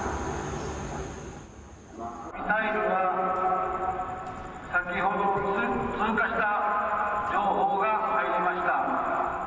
ミサイルが先ほど通過した情報が入りました。